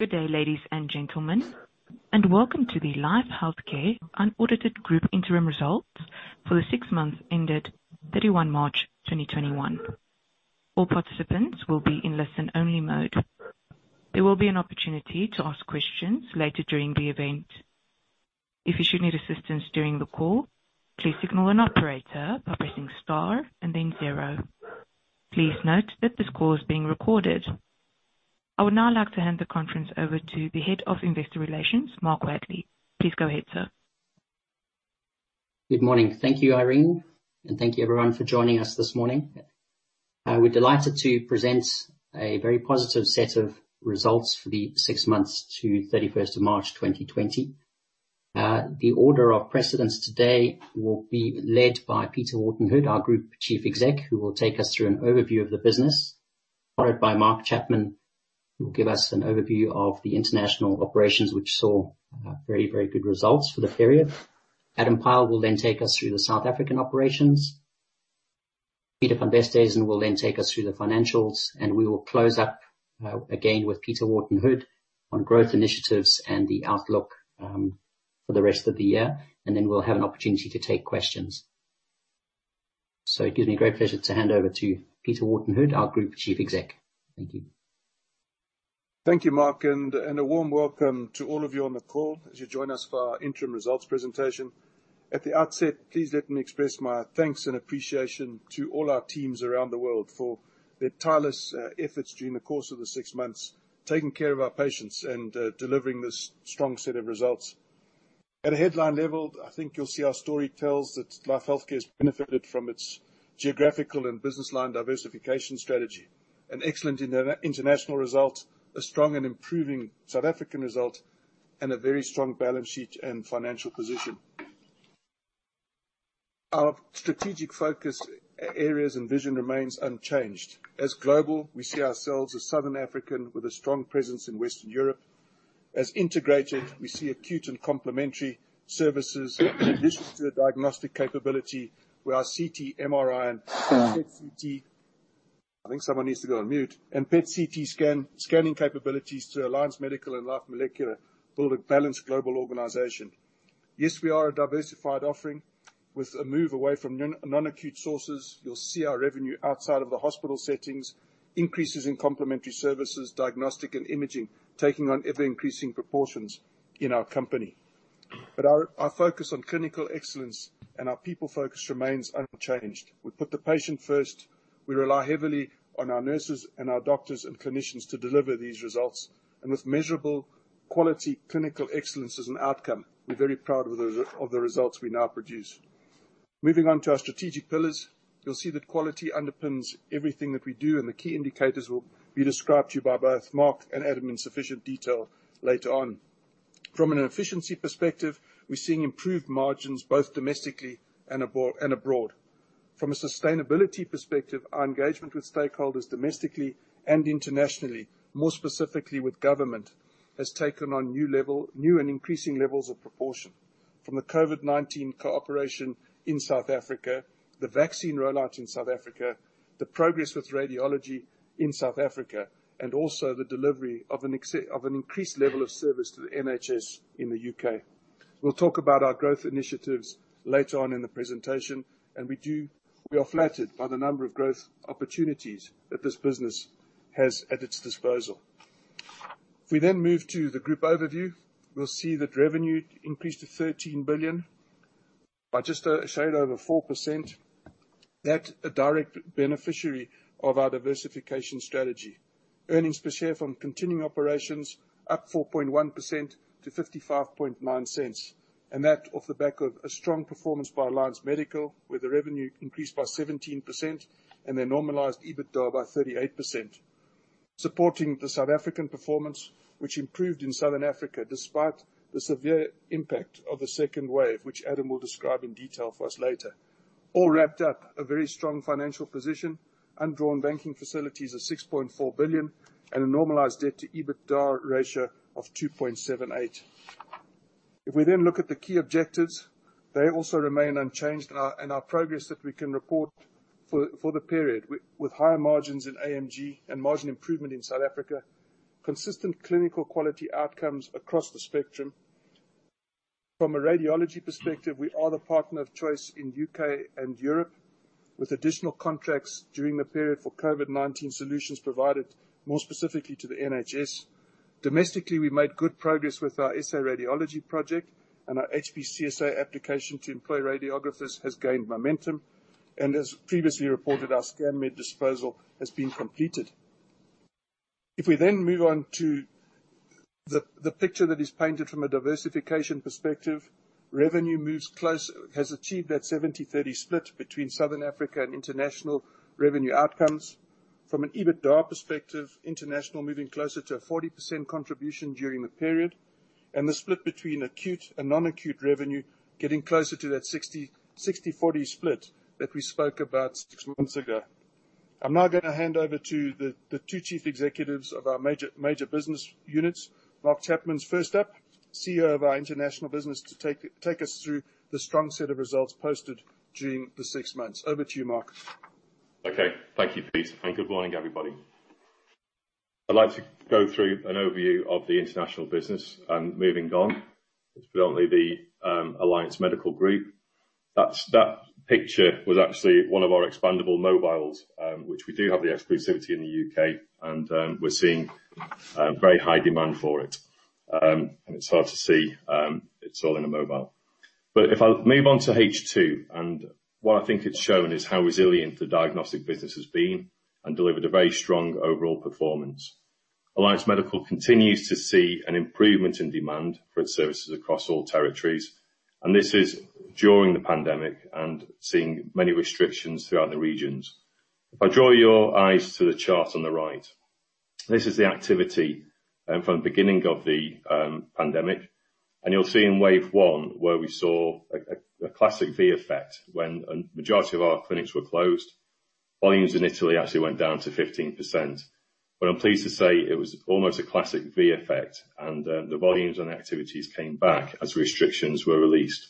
Good day, ladies and gentlemen. Welcome to the Life Healthcare unaudited group interim results for the six months ended 31 March 2021. All participants will be in listen-only mode. There will be an opportunity to ask questions later during the event. If you should need assistance during the call, please signal an operator by pressing star and then zero. Please note that this call is being recorded. I would now like to hand the conference over to the Head of Investor Relations, Mark Wadley. Please go ahead, sir. Good morning. Thank you, Irene, and thank you, everyone, for joining us this morning. We're delighted to present a very positive set of results for the six months to 31st of March 2020. The order of precedence today will be led by Peter Wharton-Hood, our Group Chief Executive, who will take us through an overview of the business, followed by Mark Chapman, who will give us an overview of the international operations, which saw very, very good results for the period. Adam Pyle will then take us through the South African operations. Pieter van der Westhuizen will then take us through the financials, and we will close up again with Peter Wharton-Hood on growth initiatives and the outlook for the rest of the year, and then we'll have an opportunity to take questions. It gives me great pleasure to hand over to Peter Wharton-Hood, our Group Chief Executive. Thank you. Thank you, Mark, and a warm welcome to all of you on the call as you join us for our interim results presentation. At the outset, please let me express my thanks and appreciation to all our teams around the world for their tireless efforts during the course of the six months, taking care of our patients and delivering this strong set of results. At a headline level, I think you'll see our story tells that Life Healthcare has benefited from its geographical and business line diversification strategy, an excellent international result, a strong and improving South African result, and a very strong balance sheet and financial position. Our strategic focus areas and vision remain unchanged. As a global, we see ourselves as Southern Africans with a strong presence in Western Europe. As integrated, we see acute and complementary services registered diagnostic capability where our CT, MRI, and PET-CT scanning capabilities through Alliance Medical and Life Molecular build a balanced global organization. Yes, we are a diversified offering with a move away from non-acute sources. You'll see our revenue outside of the hospital settings increases in complementary services, diagnostic, and imaging, taking on ever-increasing proportions in our company. Our focus on clinical excellence and our people focus remains unchanged. We put the patient first. We rely heavily on our nurses, our doctors, and clinicians to deliver these results. With measurable quality clinical excellence as an outcome, we're very proud of the results we now produce. Moving on to our strategic pillars, you'll see that quality underpins everything that we do, and the key indicators will be described to you by both Mark and Adam in sufficient detail later on. From an efficiency perspective, we're seeing improved margins both domestically and abroad. From a sustainability perspective, our engagement with stakeholders domestically and internationally, more specifically with government, has taken on new and increasing levels of proportion, from the COVID-19 cooperation in South Africa, the vaccine rollout in South Africa, the progress with radiology in South Africa, and also the delivery of an increased level of service to the in the U.K. We'll talk about our growth initiatives later on in the presentation, and we are flattered by the number of growth opportunities that this business has at its disposal. If we then move to the group overview, we'll see that revenue increased to 13 billion by just a shade over 4%. That's a direct beneficiary of our diversification strategy. Earnings per share from continuing operations up 4.1% to 0.559, and that off the back of a strong performance by Alliance Medical, where the revenue increased by 17% and their normalized EBITDA by 38%, supporting the South African performance, which improved in Southern Africa despite the severe impact of the second wave, which Adam will describe in detail for us later. All wrapped up a very strong financial position, undrawn banking facilities of 6.4 billion, and a normalized debt to EBITDA ratio of 2.78x. If we then look at the key objectives, they also remain unchanged, and our progress that we can report for the period with high margins in AMG and margin improvement in South Africa, consistent clinical quality outcomes across the spectrum. From a radiology perspective, we are the partner of choice in U.K. and Europe, with additional contracts during the period for COVID-19 solutions provided more specifically to the NHS. Domestically, we made good progress with our SA Radiology project, and our HPCSA application to employ radiographers has gained momentum. As previously reported, our Scanmed disposal has been completed. If we then move on to the picture that is painted from a diversification perspective, revenue has achieved that 70/30 split between Southern Africa and international revenue outcomes. From an EBITDA perspective, international moving closer to a 40% contribution during the period, and the split between acute and non-acute revenue getting closer to that 60/40 split that we spoke about six months ago. I am now going to hand over to the two Chief Executives of our major business units. Mark Chapman is first up, CEO of our international business, to take us through the strong set of results posted during the six months. Over to you, Mark. Okay. Thank you, Peter, and good morning, everybody. I'd like to go through an overview of the international business. Moving on. Predominantly, the Alliance Medical Group. That picture was actually one of our expandable mobiles, which we do have the exclusivity in the U.K., and we're seeing very high demand for it. It's hard to see, it's all in a mobile. If I move on to H2, and what I think it's shown is how resilient the diagnostic business has been and delivered a very strong overall performance. Alliance Medical continues to see an improvement in demand for its services across all territories, and this is during the pandemic and seeing many restrictions throughout the regions. If I draw your eyes to the chart on the right. This is the activity from the beginning of the pandemic, and you'll see in wave one where we saw a Classic V effect when the majority of our clinics were closed. Volumes in Italy actually went down to 15%, but I'm pleased to say it was almost a Classic V effect, and the volumes and activities came back as restrictions were released.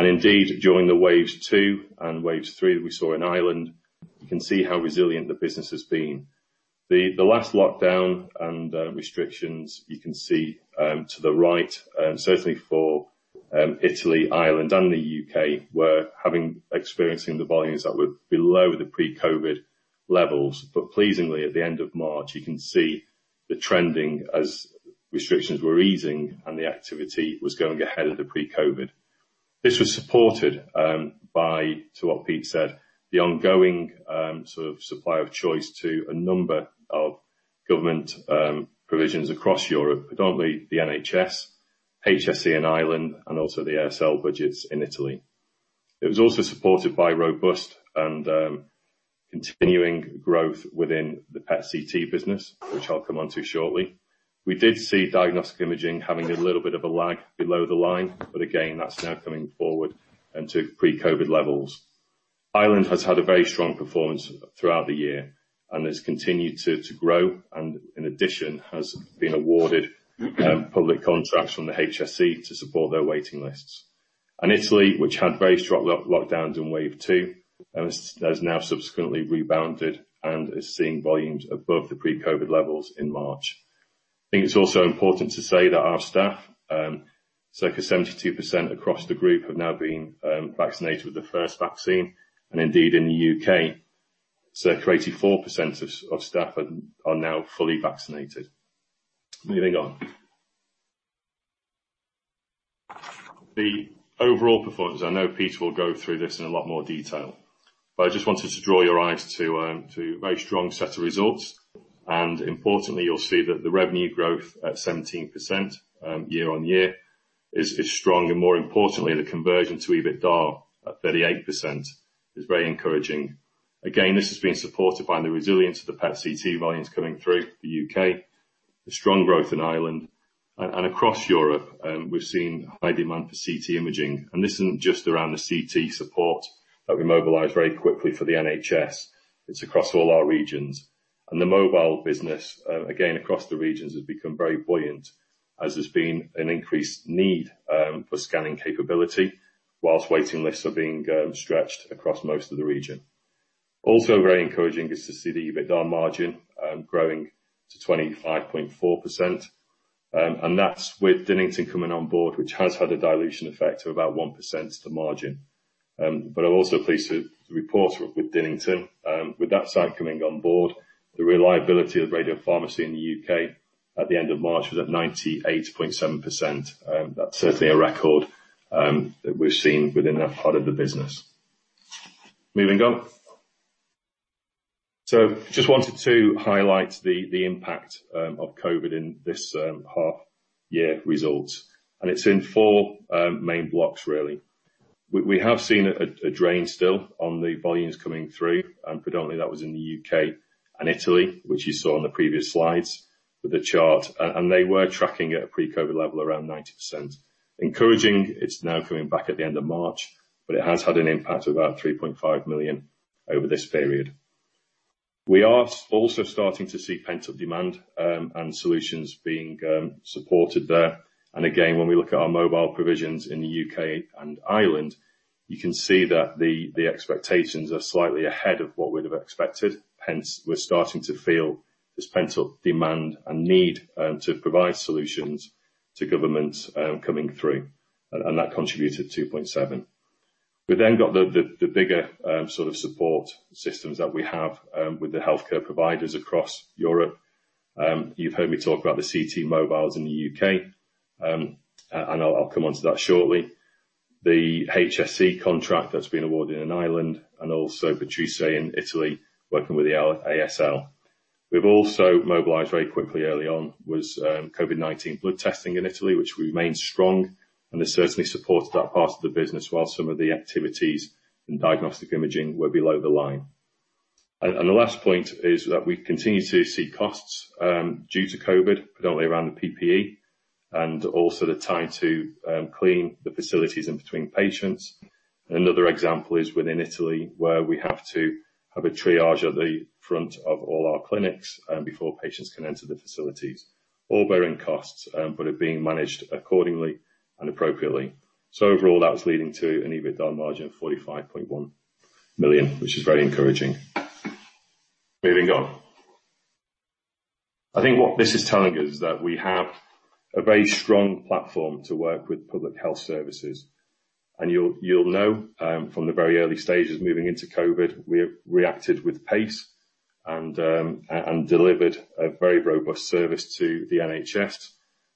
Indeed, during the waves 2 and waves 3, we saw in Ireland, you can see how resilient the business has been. The last lockdown and restrictions, as you can see to the right, certainly for Italy, Ireland, and the U.K., were experiencing volumes that were below the pre-COVID levels. Pleasingly, at the end of March, you can see the trending as restrictions were easing and the activity was going ahead of the pre-COVID. This was supported by, to what Peter said, the ongoing sort of supply of choice to a number of government provisions across Europe, predominantly the NHS, HSE in Ireland, and also the ASL budgets in Italy. It was also supported by robust and continuing growth within the PET-CT business, which I'll come onto shortly. We did see diagnostic imaging having a little bit of a lag below the line, but again, that's now coming forward to pre-COVID-19 levels. Ireland has had a very strong performance throughout the year and has continued to grow, and in addition, has been awarded public contracts from the HSE to support their waiting lists. Italy, which had very strong lockdowns in wave 2, has now subsequently rebounded and is seeing volumes above the pre-COVID-19 levels in March. I think it's also important to say that our staff, circa 72% across the group, have now been vaccinated with the first vaccine, and indeed in the U.K., circa 84% of staff are now fully vaccinated. Moving on. The overall performance, I know Pieter will go through this in a lot more detail, but I just wanted to draw your eyes to a very strong set of results. Importantly, you'll see that the revenue growth at 17% year-on-year is strong, and more importantly, the conversion to EBITDA at 38% is very encouraging. This has been supported by the resilience of the PET-CT volumes coming through the U.K., the strong growth in Ireland, and across Europe, we've seen high demand for CT imaging. This isn't just around the CT support that we mobilized very quickly for the NHS. It's across all our regions. The mobile business, again, across the regions, has become very buoyant as there's been an increased need for scanning capability while waiting lists are being stretched across most of the region. Also very encouraging is to see the EBITDA margin growing to 25.4%. That's with Dinnington coming on board, which has had a dilution effect of about 1% to the margin. I'm also pleased to report with Dinnington, with that site coming on board, the reliability of the radiopharmacy in the U.K. at the end of March was at 98.7%. That's certainly a record that we've seen within that part of the business. Moving on. Just wanted to highlight the impact of COVID in this half-year results, and it's in four main blocks really. We have seen a drain still on the volumes coming through. Predominantly, that was in the U.K. and Italy, which you saw on the previous slides with the chart, and they were tracking at pre-COVID level around 90%. Encouraging it's now coming back at the end of March, it has had an impact of about 3.5 million over this period. We are also starting to see pent-up demand and solutions being supported there. Again, when we look at our mobile provisions in the U.K. and Ireland, you can see that the expectations are slightly ahead of what we'd have expected. Hence, we're starting to feel this pent-up demand and need to provide solutions to governments coming through, and that contributed 2.7 million. We've then got the bigger sort of support systems that we have with the healthcare providers across Europe. You've heard me talk about the CT mobiles in the U.K., and I'll come onto that shortly. The HSE contract that's been awarded in Ireland, and also Petrucci in Italy working with the ASL. We've also mobilized very quickly early on was COVID-19 blood testing in Italy, which remains strong, and has certainly supported that part of the business, while some of the activities in diagnostic imaging were below the line. The last point is that we continue to see costs due to COVID, predominantly around the PPE, and also the time to clean the facilities in between patients. Another example is within Italy, where we have to have a triage at the front of all our clinics before patients can enter the facilities. All bearing costs, but are being managed accordingly and appropriately. Overall, that's leading to an EBITDA margin of 45.1 million, which is very encouraging. Moving on, I think what this is telling us is that we have a very strong platform to work with public health services. You'll know from the very early stages moving into COVID, we reacted with pace and delivered a very robust service to the NHS,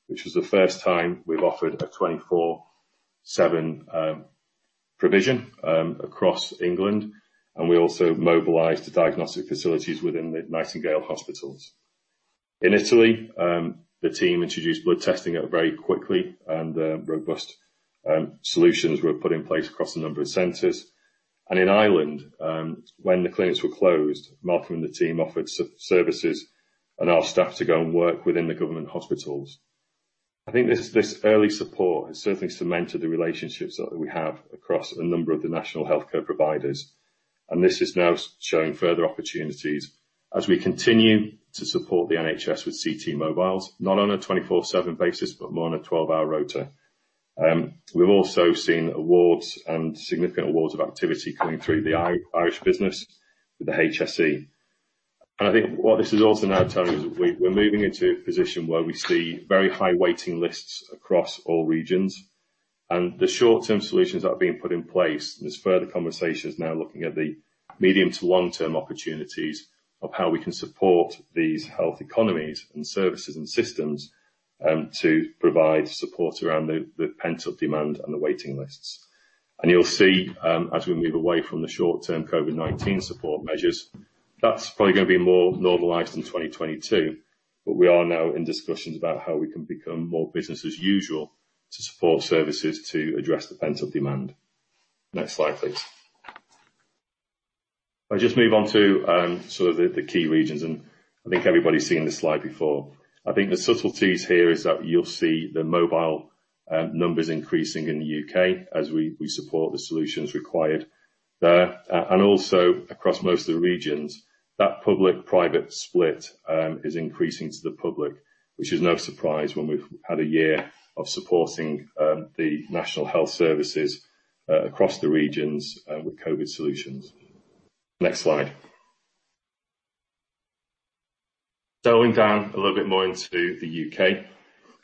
which was the first time we've offered a 24/7 provision across England, and we also mobilized the diagnostic facilities within the Nightingale Hospitals. In Italy, the team introduced blood testing very quickly, and robust solutions were put in place across a number of centers. In Ireland, when the clinics were closed, Malcolm and the team offered services and our staff to go and work within the Government Hospitals. I think this early support has certainly cemented the relationships that we have across a number of national healthcare providers. This is now showing further opportunities as we continue to support the NHS with CT mobiles, not on a 24/7 basis, but more on a 12-hour rota. We've also seen significant awards of activity coming through the Irish business with the HSE. I think what this is also now telling us is we're moving into a position where we see very high waiting lists across all regions and the short-term solutions that are being put in place. There's further conversations now looking at the medium to long-term opportunities of how we can support these health economies and services and systems, to provide support around the pent-up demand and the waiting lists. You'll see as we move away from the short-term COVID-19 support measures, that's probably going to be more normalized in 2022. We are now in discussions about how we can become more business-as-usual to support services to address the pent-up demand. Next slide, please. If I just move on to the key regions, and I think everybody's seen this slide before. I think the subtleties here is that you'll see the mobile numbers increasing in the U.K. as we support the solutions required there, and also across most of the regions. That public-private split is increasing to the public, which is no surprise when we've had a year of supporting the National Health Service across the regions with COVID solutions. Next slide. Drilling down a little bit more into the U.K.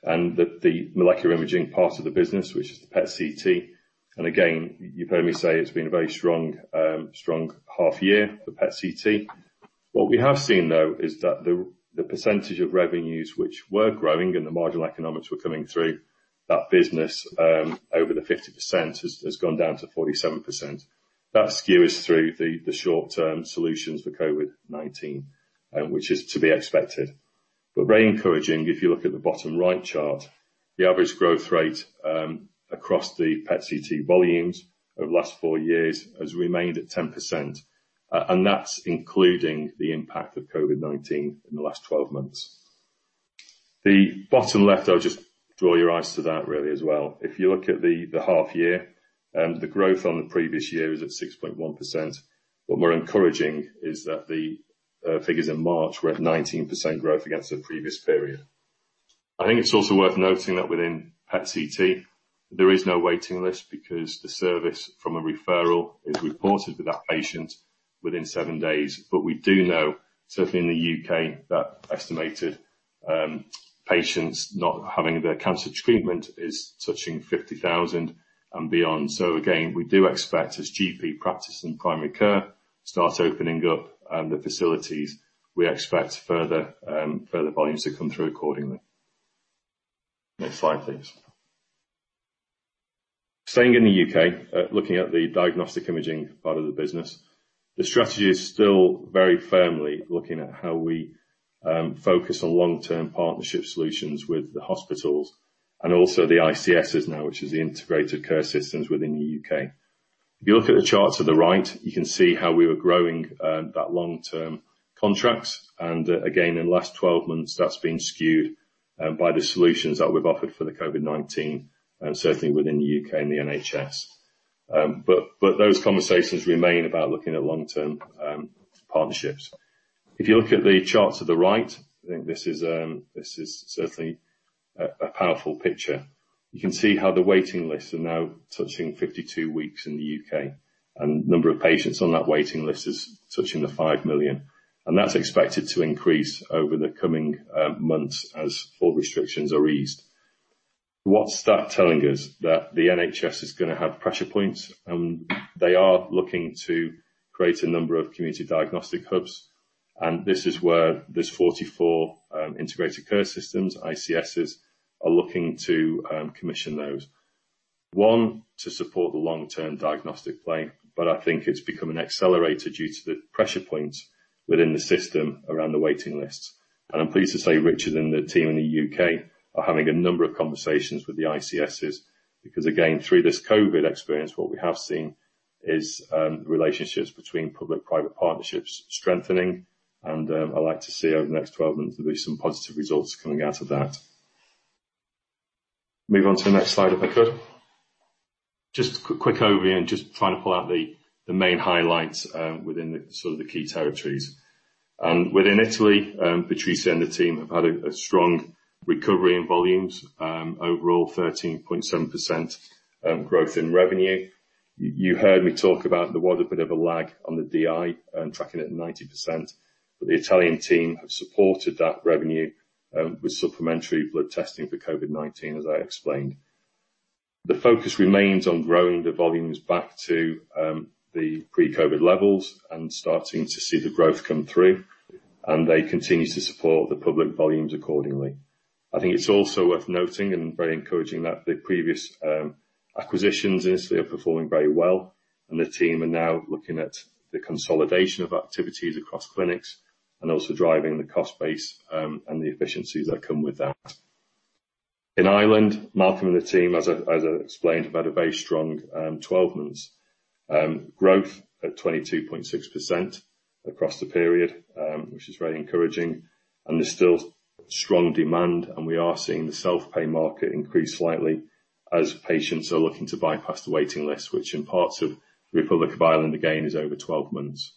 and the molecular imaging part of the business, which is the PET-CT, and again, you've heard me say it's been a very strong half year for PET-CT. What we have seen, though, is that the percentage of revenues which were growing and the marginal economics were coming through that business over the 50% has gone down to 47%. That skew is through the short-term solutions for COVID-19, which is to be expected. Very encouraging, if you look at the bottom-right chart, the average growth rate across the PET-CT volumes over the last four years has remained at 10%, and that's including the impact of COVID-19 in the last 12 months. The bottom left, I'll just draw your eyes to that, really, as well. If you look at the half year, the growth on the previous year is at 6.1%, but more encouraging is that the figures in March were at 19% growth against the previous period. I think it's also worth noting that within PET-CT, there is no waiting list because the service from a referral is reported to that patient within seven days. We do know, certainly in the U.K., that estimated patients not having their cancer treatment is touching 50,000 and beyond. Again, we do expect, as GP practices and primary care start opening up the facilities, we expect further volumes to come through accordingly. Next slide, please. Staying in the U.K., looking at the diagnostic imaging part of the business, the strategy is still very firmly looking at how we focus on long-term partnership solutions with the hospitals and also the ICS now, which is the Integrated Care Systems within the U.K. If you look at the chart to the right, you can see how we are growing that long-term contract. Again, in the last 12 months, that's been skewed by the solutions that we've offered for COVID-19, certainly within the U.K. and the NHS. Those conversations remain about looking at long-term partnerships. If you look at the chart to the right, I think this is certainly a powerful picture. You can see how the waiting lists are now touching 52 weeks in the U.K., and the number of patients on that waiting list is touching 5 million, and that's expected to increase over the coming months as full restrictions are eased. What's that telling us? That the NHS is going to have pressure points. They are looking to create a number of community diagnostic hubs. This is where there's 44 Integrated Care Systems, ICS, are looking to commission those. One, to support the long-term diagnostic plan. I think it's become an accelerator due to the pressure points within the system around the waiting lists. I'm pleased to say Richard and the team in the U.K. are having a number of conversations with the ICSs because, again, through this COVID experience, what we have seen is relationships between public-private partnerships strengthening, and I'd like to see over the next 12 months at least some positive results coming out of that. Move on to the next slide, if I could. Just a quick overview, and just try to pull out the main highlights within the key territories. Within Italy, Patricia and the team have had a strong recovery in volumes. Overall, 13.7% growth in revenue. You heard me talk about there was a bit of a lag on the DI and tracking at 90%, but the Italian team have supported that revenue with supplementary blood testing for COVID-19, as I explained. The focus remains on growing the volumes back to the pre-COVID levels and starting to see the growth come through. They continue to support the public volumes accordingly. I think it's also worth noting and very encouraging that the previous acquisitions initially are performing very well, and the team are now looking at the consolidation of activities across clinics and also driving the cost base and the efficiencies that come with that. In Ireland, Malcolm and the team, as I explained, have had a very strong 12 months. Growth at 22.6% across the period, which is very encouraging. There's still strong demand, and we are seeing the self-pay market increase slightly as patients are looking to bypass the waiting list, which in parts of the Republic of Ireland, again, is over 12 months.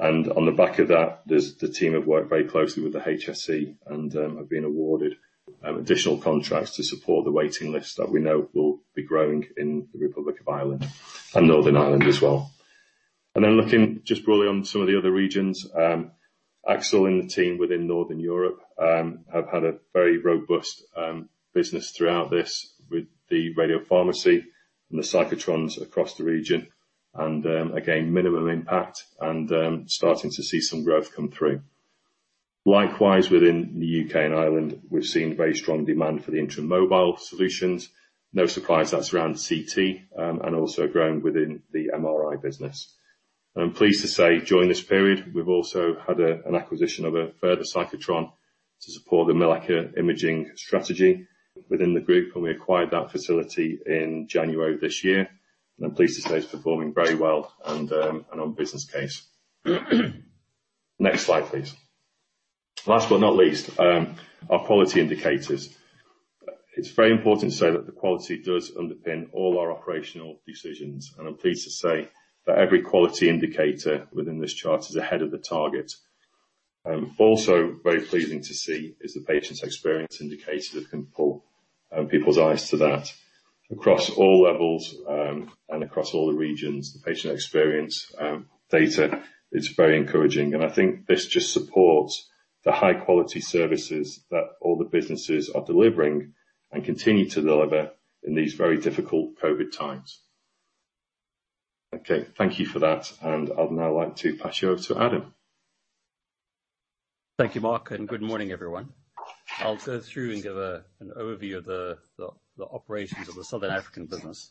On the back of that, the team have worked very closely with the HSE and have been awarded additional contracts to support the waiting list that we know will be growing in the Republic of Ireland and Northern Ireland as well. Looking just briefly on some of the other regions. Axel and the team within Northern Europe have had a very robust business throughout this with the radiopharmacy and the cyclotrons across the region, again, minimum impact and starting to see some growth come through. Likewise, within the U.K. and Ireland, we're seeing very strong demand for the intra mobile solutions. No supplies that's around CT, and also growing within the MRI business. I'm pleased to say during this period, we've also had an acquisition of a further cyclotron to support the Life Molecular Imaging strategy within the group. We acquired that facility in January of this year, and I'm pleased to say it's performing very well and on a business case. Next slide, please. Last but not least, our quality indicators. It's very important to say that the quality does underpin all our operational decisions, and I'm pleased to say that every quality indicator within this chart is ahead of the target. Very pleasing to see is the patient experience indicator, if we can pull people's eyes to that. Across all levels and across all the regions, the patient experience data is very encouraging. I think this just supports the high-quality services that all the businesses are delivering and continue to deliver in these very difficult COVID times. Okay, thank you for that. I'd now like to pass you over to Adam. Thank you, Mark. Good morning, everyone. I'll go through and give an overview of the operations of the Southern African business.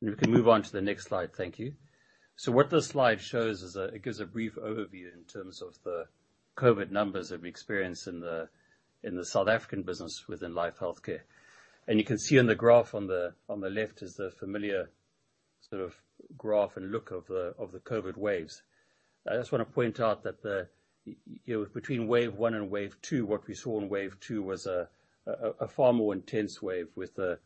If we can move on to the next slide. Thank you. What this slide shows is it gives a brief overview in terms of the COVID numbers that we experience in the South African business within Life Healthcare. You can see on the graph on the left is the familiar sort of graph and look of the COVID waves. I just want to point out that between wave 1 and wave 2, what we saw in wave 2 was a far more intense wave with an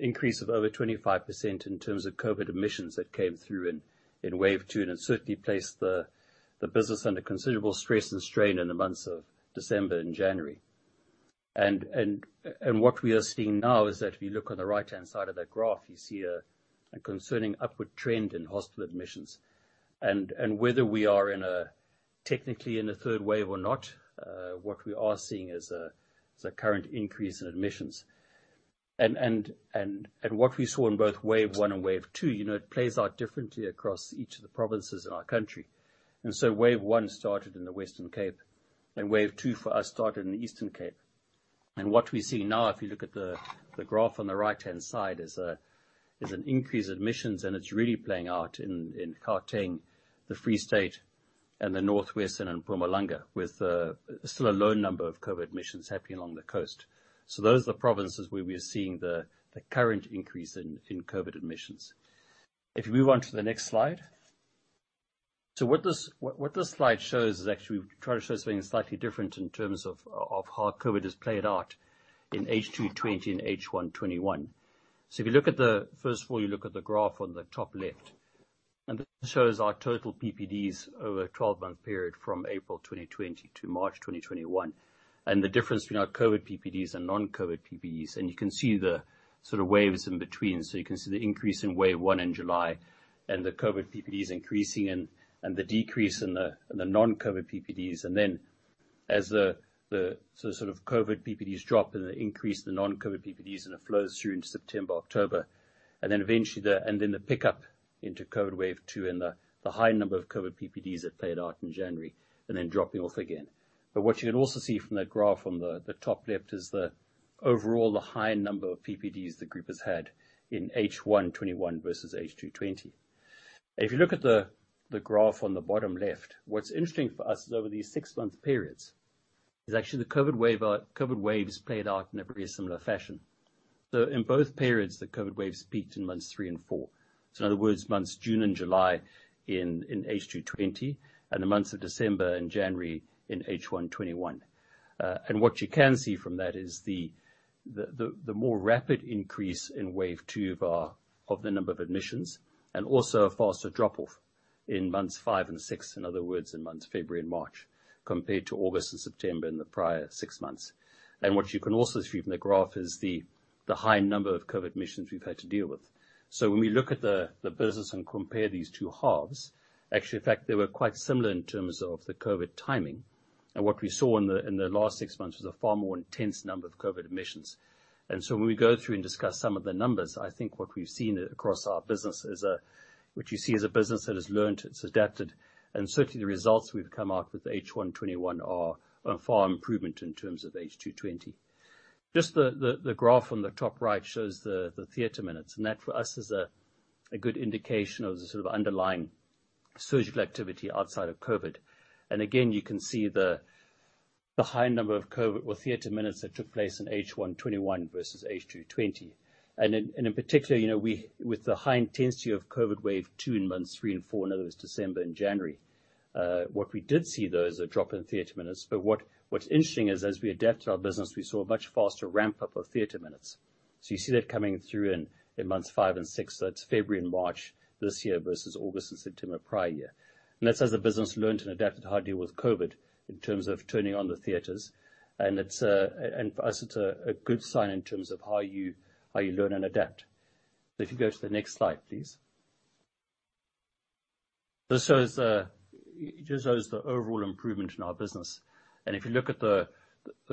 increase of over 25% in terms of COVID admissions that came through in wave 2, and it certainly placed the business under considerable stress and strain in the months of December and January. What we are seeing now is that if you look on the right-hand side of that graph, you see a concerning upward trend in hospital admissions. Whether we are technically in a third wave or not, what we are seeing is a current increase in admissions. What we saw in both wave one and wave two, it plays out differently across each of the provinces in our country. Wave one started in the Western Cape, and wave two for us started in the Eastern Cape. What we see now, if you look at the graph on the right-hand side, is an increase in admissions, and it's really playing out in Gauteng, the Free State, and the North West, and Mpumalanga, with still a low number of COVID admissions happening on the coast. Those are the provinces where we're seeing the current increase in COVID admissions. If we move on to the next slide. What this slide shows is actually we try to show something slightly different in terms of how COVID has played out in H2 2020 and H1 2021. If you look at the first of all, you look at the graph on the top left, and this shows our total PPDs over a 12-month period from April 2020 to March 2021, and the difference between our COVID PPDs and non-COVID PPDs. You can see the sort of waves in between. You can see the increase in wave 1 in July, and the COVID PPDs increasing, and the decrease in the non-COVID PPDs. As the sort of COVID PPDs drop and the increase in the non-COVID PPDs, it flows through in September, October, and then the pickup into COVID wave two and the high number of COVID PPDs that played out in January, and then dropping off again. What you'll also see from that graph on the top left is the overall high number of PPDs the group has had in H1 2021 versus H2 2020. If you look at the graph on the bottom left, what's interesting for us is over these six-month periods, the COVID waves actually played out in a very similar fashion. In both periods, the COVID waves peaked in months three and four. In other words, the months of June and July in H2 2020, and the months of December and January in H1 2021. What you can see from that is the more rapid increase in wave 2 of the number of admissions and also a faster drop-off. In months five and six, in other words, in months February and March, compared to August and September in the prior six months. What you can also see from the graph is the high number of COVID admissions we've had to deal with. When we look at the business and compare these two halves, actually, the fact they were quite similar in terms of the COVID timing, and what we saw in the last six months was a far more intense number of COVID admissions. When we go through and discuss some of the numbers, I think what we've seen across our business is what you see is a business that has learned, it's adapted, and certainly the results we've come out with H1 2021 are a far improvement in terms of H2 2020. Just the graph on the top right shows the theater minutes, and that for us is a good indication of the sort of underlying surgical activity outside of COVID. Again, you can see the high number of COVID, well, theater minutes that took place in H1 2021 versus H2 2020. In particular, with the high intensity of COVID wave 2 in months three and four, in other words, December and January, what we did see, though, is a drop in theater minutes. What's interesting is as we adapt to our business, we saw a much faster ramp-up of theater minutes. You see that coming through in months five and six, so that's February and March this year versus August and September prior year. That's as the business learned and adapted how to deal with COVID in terms of turning on the theaters. For us, it's a good sign in terms of how you learn and adapt. If you go to the next slide, please. This shows the overall improvement in our business. If you look at the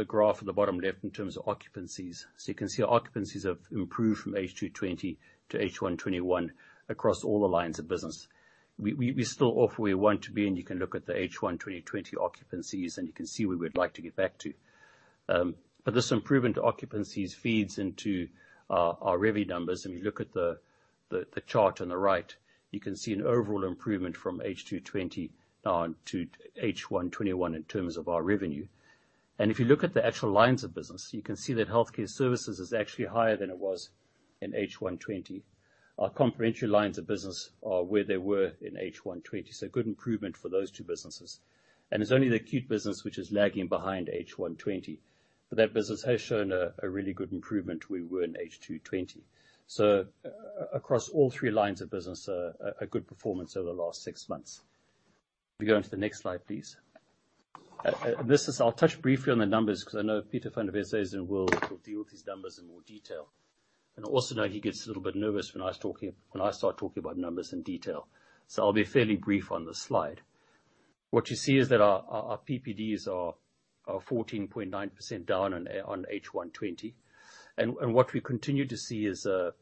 graph on the bottom left in terms of occupancies, so you can see occupancies have improved from H2 2020 to H1 2021 across all the lines of business. We're still off where we want to be, and you can look at the H1 2020 occupancies, and you can see where we'd like to get back to. This improvement occupancies feeds into our revenue numbers. If you look at the chart on the right, you can see an overall improvement from H2 2020 now to H1 2021 in terms of our revenue. If you look at the actual lines of business, you can see that healthcare services is actually higher than it was in H1 2020. Our complementary lines of business are where they were in H1 2020, so good improvement for those two businesses. It's only the acute business which is lagging behind H1 2020. That business has shown a really good improvement where we were in H2 2020. Across all three lines of business, a good performance over the last six months. If you go on to the next slide, please. I will touch briefly on the numbers because I know Pieter van der Westhuizen will deal with these numbers in more detail. I also know he gets a little bit nervous when I start talking about numbers in detail. I will be fairly brief on this slide. What you see is that our PPDs are 14.9% down on H1 2020. What we continue to see is a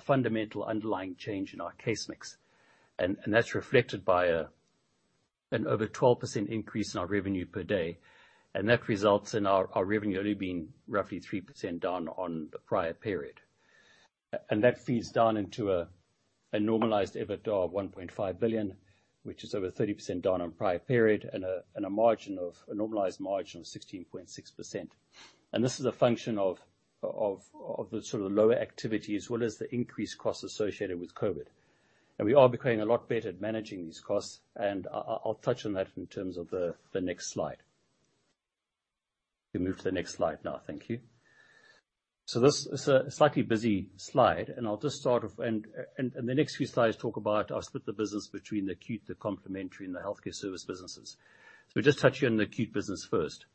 fundamental underlying change in our case mix, and that is reflected by an over 12% increase in our revenue per day, and that results in our revenue only being roughly 3% down on the prior period. That feeds down into a normalized EBITDA of 1.5 billion, which is over 30% down on the prior period and a normalized margin of 16.6%. This is a function of the sort of lower activity as well as the increased costs associated with COVID-19. We are becoming a lot better at managing these costs, and I'll touch on that in terms of the next slide. You can move to the next slide now. Thank you. This is a slightly busy slide, and in the next few slides, I'll split the business between the acute, the complementary, and the healthcare service businesses. Just touching on the acute business first.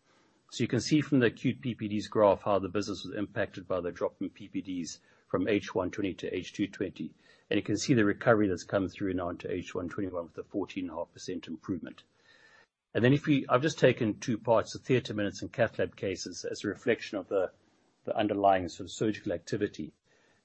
You can see from the acute PPDs graph how the business was impacted by the drop in PPDs from H1 2020 to H2 2020. You can see the recovery that's coming through now into H1 2021 with a 14.5% improvement. I've just taken two parts of theater minutes and cath lab cases as a reflection of the underlying sort of surgical activity.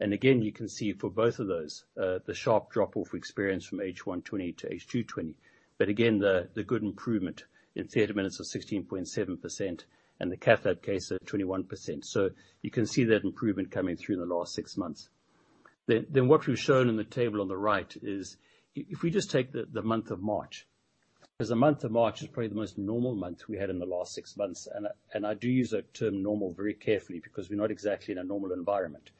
Again, you can see for both of those the sharp drop-off experience from H1 2020 to H2 2020. Again, the good improvement in theater minutes of 16.7% and the cath lab cases at 21%. You can see that improvement coming through in the last six months. What we've shown in the table on the right is, if we just take the month of March, because the month of March is probably the most normal month we've had in the last six months, and I do use that term normal very carefully because we're not exactly in a normal environment.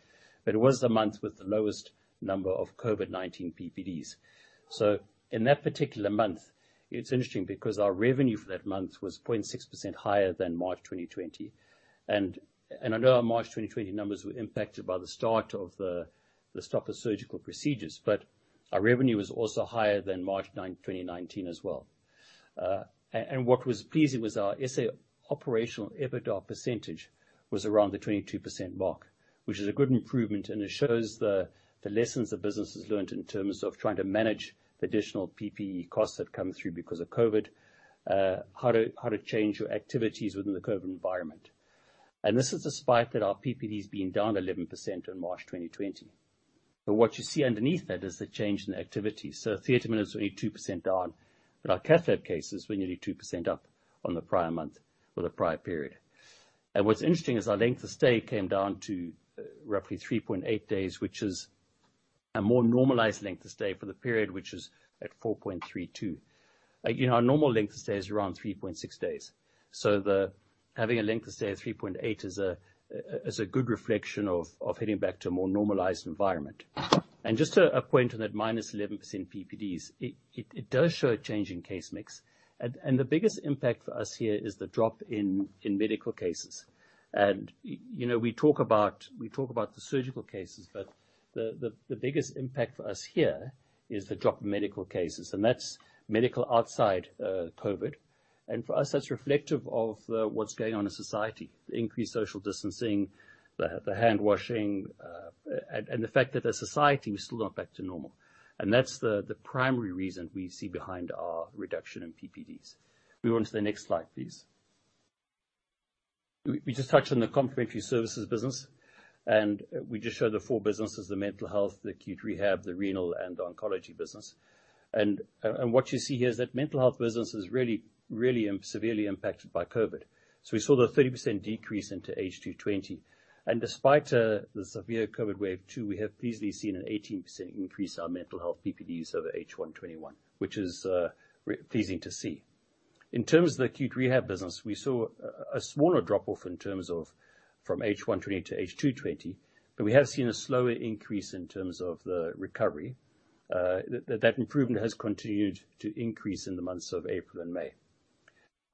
It was the month with the lowest number of COVID-19 PPDs. In that particular month, it's interesting because our revenue for that month was 0.6% higher than in March 2020. I know our March 2020 numbers were impacted by the start of the stop of surgical procedures, but our revenue was also higher than in March 2019 as well. What was pleasing was our SA operational EBITDA percentage was around the 22% mark, which is a good improvement, and it shows the lessons the business has learnt in terms of trying to manage the additional PPE costs that come through because of COVID, how to change your activities within the COVID environment. This is despite that our PPD has been down 11% in March 2020. What you see underneath that is the change in activity. Theater minutes are only 2% down, but our cath lab cases were nearly 2% up on the prior month or the prior period. What's interesting is our length of stay came down to roughly three point eight days, which is a more normalized length of stay for the period, which is at four point three two. Again, our normal length of stay is around three point six days. Having a length of stay of three point eight is a good reflection of heading back to a more normalized environment. Just a point to that -11% PPDs, it does show a change in case mix, and the biggest impact for us here is the drop in medical cases. We talk about the surgical cases, but the biggest impact for us here is the drop in medical cases, and that's medical outside of COVID. For us, that's reflective of what's going on in society, the increased social distancing, the hand washing, and the fact that, as a society, we're still not back to normal. That's the primary reason we see behind our reduction in PPDs. Can we go onto the next slide, please? We just touched on the complementary services business, and we just showed the four businesses: the mental health, the acute rehab, the renal, and the oncology business. What you see here is that the mental health business is really severely impacted by COVID. We saw a 30% decrease into H2 2020. Despite the severe COVID-19 wave 2, we have pleasingly seen an 18% increase in our mental health PPDs over H1 2021, which is pleasing to see. In terms of the acute rehab business, we saw a smaller drop-off in terms of from H1 2020 to H2 2020, but we have seen a slower increase in terms of the recovery. That improvement has continued to increase in the months of April and May.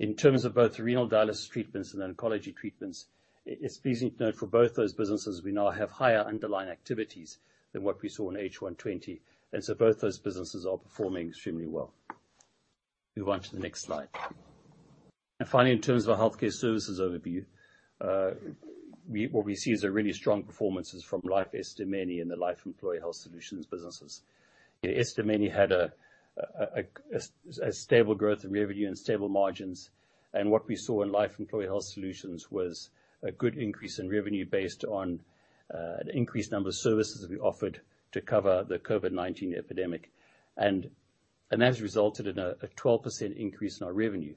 In terms of both renal dialysis treatments and oncology treatments, it's pleasing to note for both those businesses, we now have higher underlying activities than what we saw in H1 2020, and so both those businesses are performing extremely well. Can we go to the next slide? In terms of the healthcare services overview, what we see is a really strong performance from Life Esidimeni and the Life Health Solutions businesses. Esidimeni had a stable growth in revenue and stable margins. What we saw in Life Health Solutions was a good increase in revenue based on an increased number of services we offered to cover the COVID-19 epidemic. That has resulted in a 12% increase in our revenue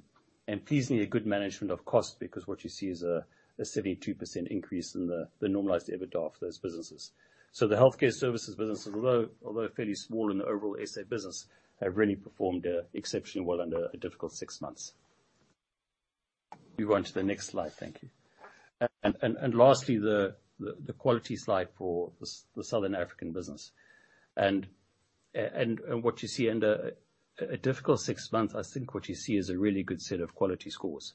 and pleasingly good management of cost because what you see is a 72% increase in the normalized EBITDA for those businesses. The healthcare services businesses, although fairly small in the overall SA business, have really performed exceptionally well under a difficult six months. Can we go to the next slide? Thank you. Lastly, the quality slide for the Southern African business. What you see under a difficult six months, I think, what you see is a really good set of quality scores.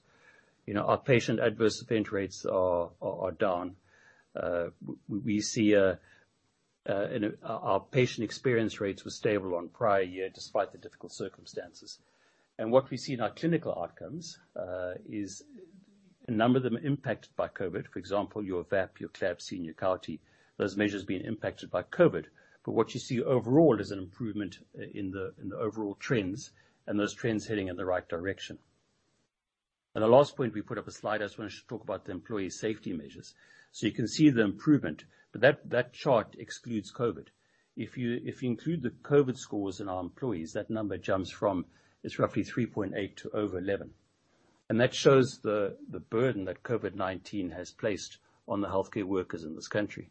Our patient adverse event rates are down. Our patient experience rates were stable on prior year despite the difficult circumstances. What we see in our clinical outcomes is a number of them impacted by COVID, for example, your VAP, your CLABSI, and your CAUTI, those measures being impacted by COVID. What you see overall is an improvement in the overall trends and those trends heading in the right direction. The last point, we put up a slide, I just wanted to talk about the employee safety measures. You can see the improvement, but that chart excludes COVID. If you include the COVID scores in our employees, that number jumps from, it's roughly 3.8 to over 11. That shows the burden that COVID-19 has placed on the healthcare workers in this country.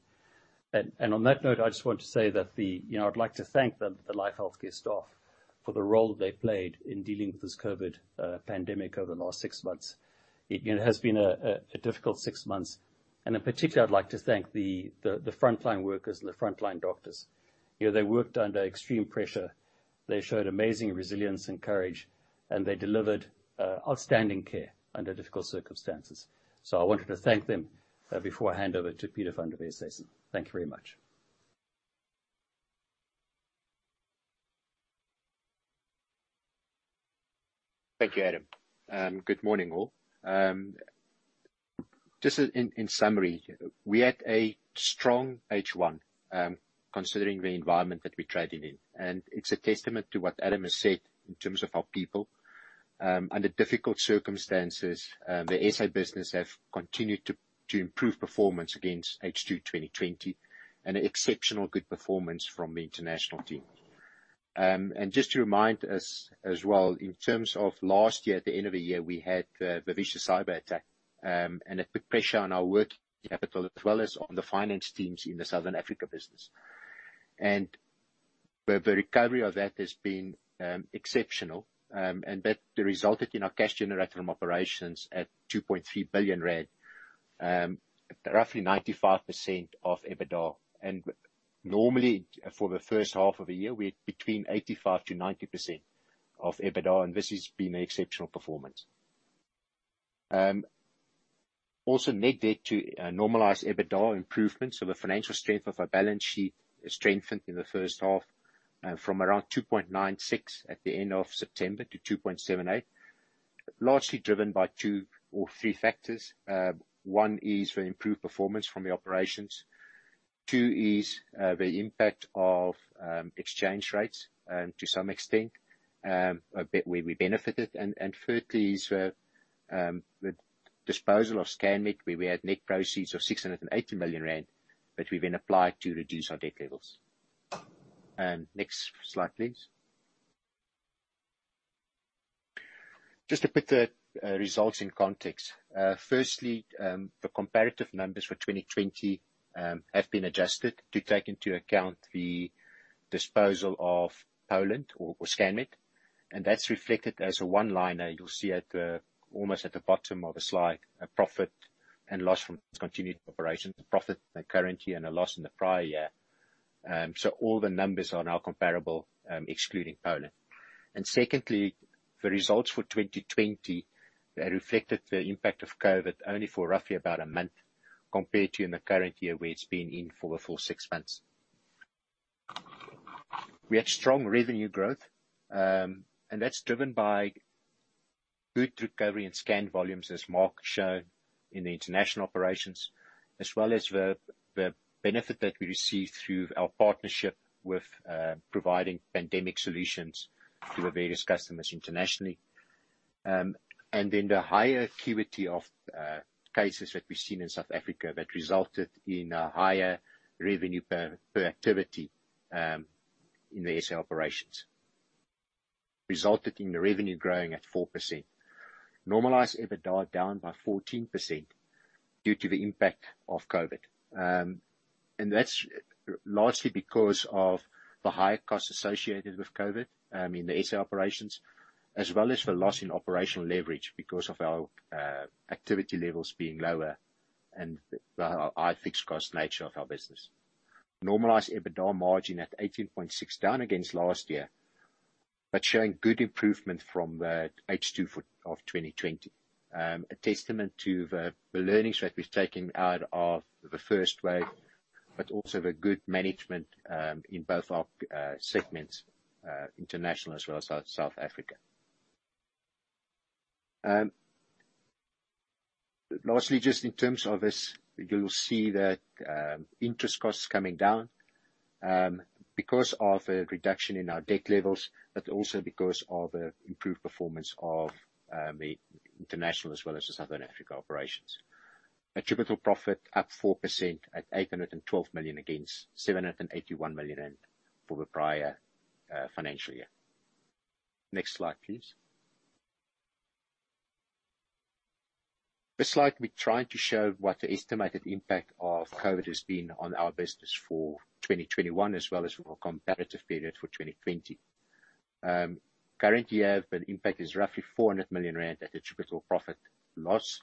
On that note, I just wanted to say that I'd like to thank the Life Healthcare staff for the role they played in dealing with this COVID-19 pandemic over the last six months. It has been a difficult six months, in particular, I'd like to thank the frontline workers and the frontline doctors. They worked under extreme pressure. They showed amazing resilience and courage, and they delivered outstanding care under difficult circumstances. I wanted to thank them before I hand over to Pieter van der Westhuizen. Thank you very much. Thank you, Adam. Good morning, all. Just in summary, we had a strong H1 considering the environment that we traded in. It's a testament to what Adam has said in terms of our people. Under difficult circumstances, the SA business have continued to improve performance against H2 2020 exceptional good performance from the international team. Just to remind us as well, in terms of last year, at the end of the year, we had the vicious cyberattack, and it put pressure on our working capital as well as on the finance teams in the Southern Africa business. The recovery of that has been exceptional, and that resulted in our cash generated from operations at 2.3 billion rand, roughly 95% of EBITDA. Normally, for the first half of the year, we had between 85%-90% of EBITDA, and this has been an exceptional performance. Also, net debt to normalized EBITDA improvement. The financial strength of our balance sheet strengthened in the first half from around 2.96x at the end of September to 2.78x, largely driven by two or three factors. One is the improved performance from the operations. Two is the impact of exchange rates to some extent, where we benefited. Thirdly is the disposal of Scanmed, where we had net proceeds of 680 million rand that we then applied to reduce our debt levels. Next slide, please. Just to put the results in context. Firstly, the comparative numbers for 2020 have been adjusted to take into account the disposal of Poland or Scanmed, that's reflected as a one-liner you'll see almost at the bottom of the slide: a profit and loss from discontinued operations, a profit in the current year, and a loss in the prior year. All the numbers are now comparable, excluding Poland. Secondly, the results for 2020, they reflected the impact of COVID only for roughly about a month, compared to in the current year, where it's been in for a full six months. We had strong revenue growth. That's driven by good recovery in scan volumes, as Mark Chapman showed, in the international operations, as well as the benefit that we received through our partnership with providing pandemic solutions to our various customers internationally. The higher acuity of cases that we've seen in South Africa that resulted in a higher revenue per activity in the SA operations, resulted in the revenue growing at 4%. Normalized EBITDA down by 14% due to the impact of COVID-19. That's largely because of the high costs associated with COVID-19 in the SA operations, as well as the loss in operational leverage because of our activity levels being lower and the high fixed cost nature of our business. Normalized EBITDA margin at 18.6%, down against last year, showing good improvement from H2 2020. A testament to the learnings that we've taken out of the first wave, but also the good management in both our segments, international as well as South Africa. Lastly, just in terms of this, you'll see that interest costs coming down because of a reduction in our debt levels, but also because of improved performance of the international as well as the Southern Africa operations. Attributable profit up 4% at 812 million against 781 million for the prior financial year. Next slide, please. This slide we're trying to show what the estimated impact of COVID-19 has been on our business for 2021, as well as for our comparative period for 2020. Currently, the impact is roughly 400 million rand at attributable profit loss,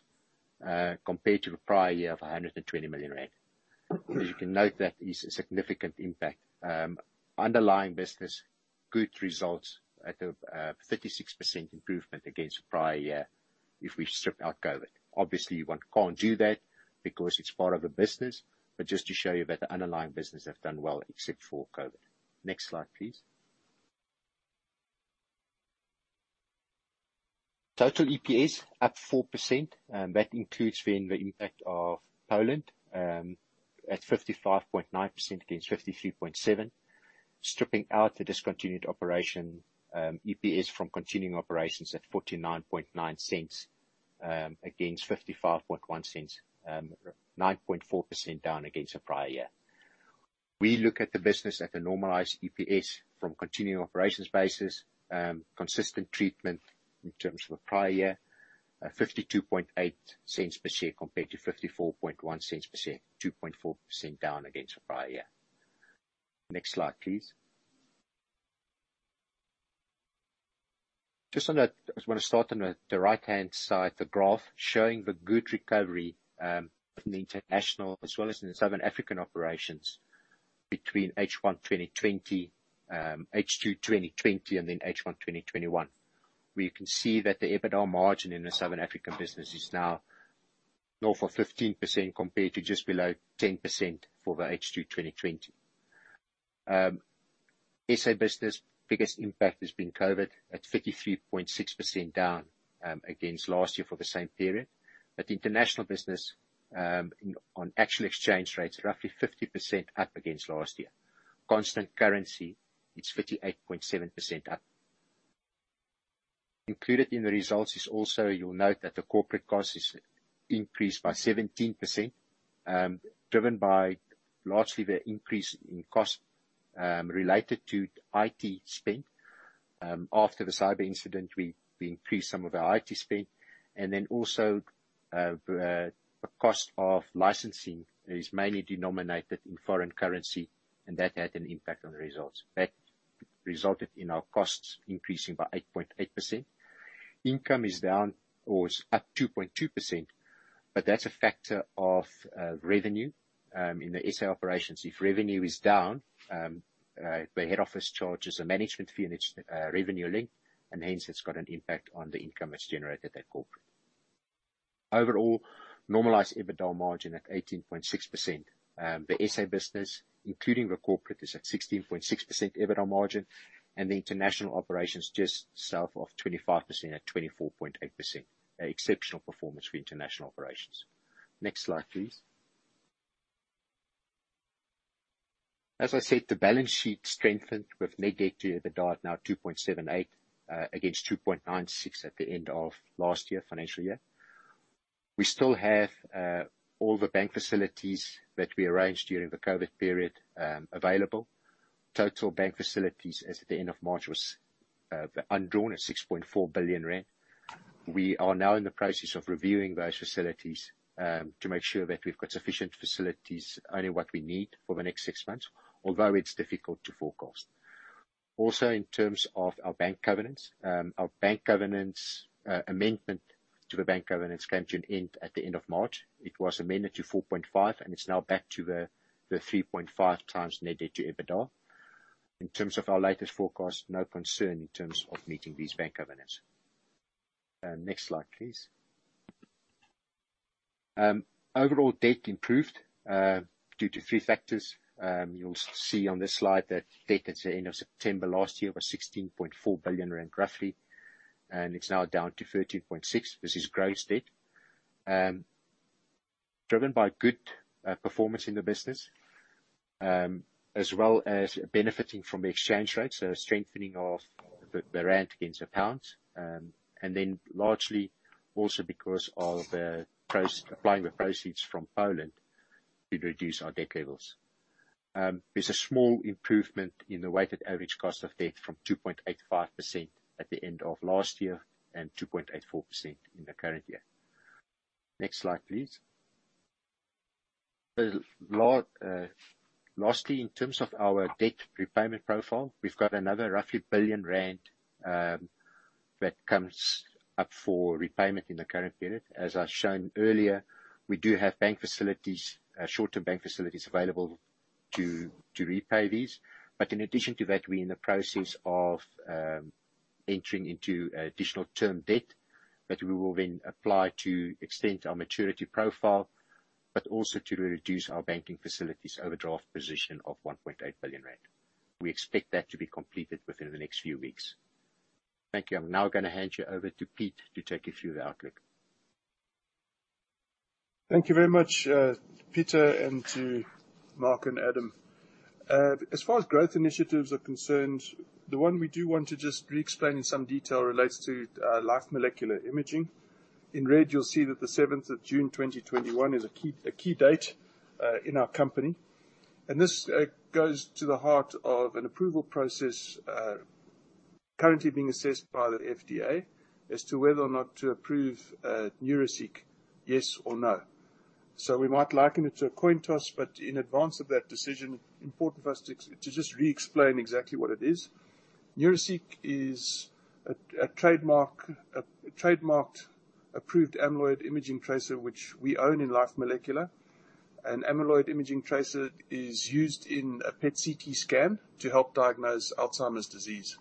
compared to the prior year of 120 million rand. As you can note, that is a significant impact. Underlying business, good results at a 36% improvement against the prior year if we strip out COVID. Obviously, one can't do that because it's part of the business. Just to show you that the underlying business has done well, except for COVID. Next slide, please. Total EPS up 4%, and that includes the impact of Poland at 55.9% against 53.7%. Stripping out the discontinued operation, EPS from continuing operations at 0.499 against 0.551, 9.4% down against the prior year. We look at the business at a normalized EPS from continuing operations basis, consistent treatment in terms of the prior year, 0.528 per share compared to 0.541 per share, 2.4% down against the prior year. Next slide, please. I just want to start on the right-hand side, the graph showing the good recovery in the international as well as in the Southern African operations between H1 2020, H2 2020, and then H1 2021. We can see that the EBITDA margin in the Southern African business is now north of 15% compared to just below 10% for H2 2020. SA business, the biggest impact has been COVID at 33.6% down against last year for the same period. International business, on actual exchange rates, roughly 50% up against last year. Constant currency, it's 58.7% up. Included in the results is also, you'll note that the corporate cost has increased by 17%, driven by largely the increase in cost-related to IT spend. After the cyber incident, we increased some of the IT spend. The cost of licensing is mainly denominated in foreign currency, and that had an impact on the results. That resulted in our costs increasing by 8.8%. Income is up 2.2%, but that's a factor of revenue. In the SA operations, if revenue is down, the head office charges a management fee, and it's revenue-linked, and hence it's got an impact on the income that's generated at corporate. Overall, normalized EBITDA margin at 18.6%. The SA business, including the corporate, is at 16.6% EBITDA margin, and the international operations just south of 25% at 24.8%, exceptional performance for international operations. Next slide, please. As I said, the balance sheet strengthened with net debt to EBITDA at now 2.78x against 2.96x at the end of last year, the financial year. We still have all the bank facilities that we arranged during the COVID period available. Total bank facilities as at the end of March was undrawn at 6.4 billion rand. We are now in the process of reviewing those facilities to make sure that we've got sufficient facilities, only what we need for the next six months, although it's difficult to forecast. In terms of our bank covenants, amendment to the bank covenants came to an end at the end of March. It was amended to 4.5x, and it's now back to the 3.5x net debt to EBITDA. In terms of our latest forecast, no concern in terms of meeting these bank covenants. Next slide, please. Overall debt improved due to three factors. You'll see on this slide that debt at the end of September last year was 16.4 billion rand, roughly, and it's now down to 13.6, versus gross debt. Driven by good performance in the business, as well as benefiting from exchange rates, so strengthening of the rand against the pound, and then largely also because of applying the proceeds from Poland to reduce our debt levels. There is a small improvement in the weighted average cost of debt from 2.85% at the end of last year and 2.84% in the current year. Next slide, please. Lastly, in terms of our debt repayment profile, we have got another roughly 1 billion rand that comes up for repayment in the current period. As I have shown earlier, we do have bank facilities, shorter bank facilities available to repay these. In addition to that, we are in the process of entering into additional term debt that we will then apply to extend our maturity profile, but also to reduce our banking facilities overdraft position of 1.8 billion rand. We expect that to be completed within the next few weeks. Thank you. I'm now going to hand you over to Peter to take you through the outlook. Thank you very much, Pieter, and to Mark and Adam. As far as growth initiatives are concerned, the one we do want to just re-explain in some detail relates to Life Molecular Imaging. In red, you'll see that the seventh of June 2021 is a key date in our company. This goes to the heart of an approval process currently being assessed by the FDA as to whether or not to approve Neuraceq, yes or no. We might liken it to a coin toss, but in advance of that decision, important for us to just re-explain exactly what it is. Neuraceq is a trademarked, approved amyloid imaging tracer, which we own in Life Molecular. An amyloid imaging tracer is used in a PET-CT scan to help diagnose Alzheimer's disease.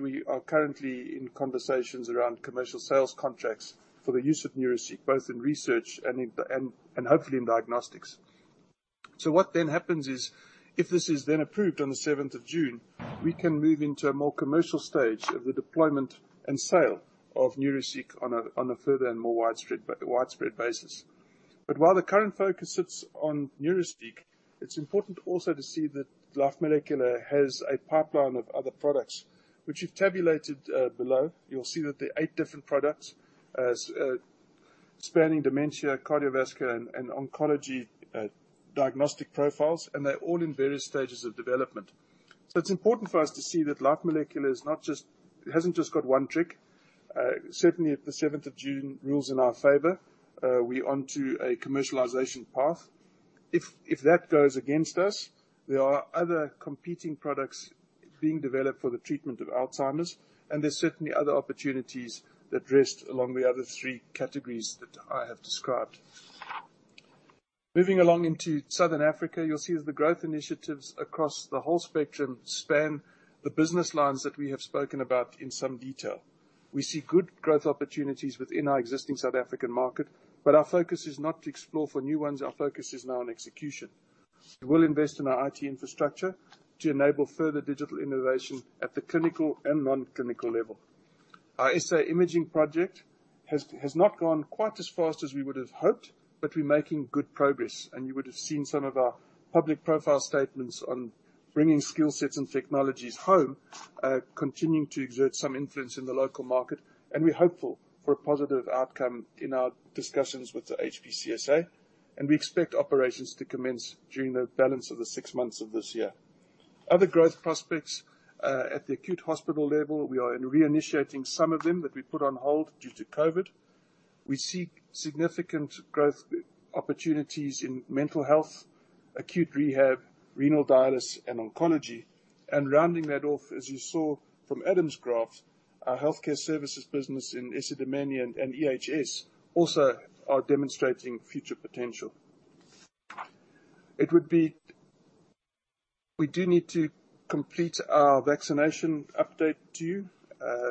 We are currently in conversations around commercial sales contracts for the use of Neuraceq, both in research and hopefully, in diagnostics. What then happens is if this is then approved on the seventh of June, we can move into a more commercial stage of the deployment and sale of Neuraceq on a further and more widespread basis. While the current focus is on Neuraceq, it's also important to see that Life Molecular has a pipeline of other products, which we've tabulated below. You'll see that there are eight different products spanning dementia, cardiovascular, and oncology diagnostic profiles. They're all in various stages of development. It's important for us to see that Life Molecular hasn't just got one trick. Certainly, if the seventh of June rules in our favor, we're onto a commercialization path. If that goes against us, there are other competing products being developed for the treatment of Alzheimer's, and there's certainly other opportunities that rest along the other three categories that I have described. Moving along into Southern Africa, you'll see the growth initiatives across the whole spectrum span the business lines that we have spoken about in some detail. We see good growth opportunities within our existing South African market, but our focus is not to explore for new ones. Our focus is now on execution. We will invest in our IT infrastructure to enable further digital innovations at the clinical and non-clinical levels. Our SA Radiology project has not gone quite as fast as we would have hoped. We're making good progress. You would have seen some of our public profile statements on bringing skill sets and technologies home, continuing to exert some influence in the local market. We're hopeful for a positive outcome in our discussions with the HPCSA. We expect operations to commence during the balance of the six months of this year. Other growth prospects at the acute hospital level, we are reinitiating some of them that we put on hold due to COVID-19. We see significant growth opportunities in mental health, acute rehab, renal dialysis, and oncology. Rounding that off, as you saw from Adam's graph, our healthcare services business in Life Esidimeni and Life Health Solutions also are demonstrating future potential. We do need to complete our vaccination update to you.